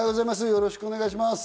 よろしくお願いします。